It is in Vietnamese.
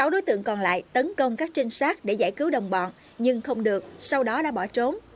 sáu đối tượng còn lại tấn công các trinh sát để giải cứu đồng bọn nhưng không được sau đó đã bỏ trốn